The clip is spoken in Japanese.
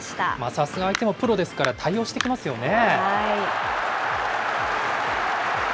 さすが相手もプロですから、対応してきますよね。